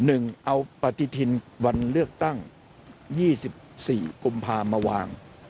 หนึ่งเอาปฏิทินวันเลือกตั้ง๒๔กุมภามาวาง